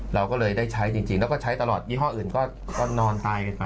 เราก็เลยได้ใช้จริงแล้วก็ใช้ตลอดยี่ห้ออื่นก็นอนตายกันไป